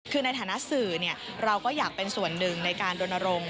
คือในฐานะสื่อเราก็อยากเป็นส่วนหนึ่งในการรณรงค์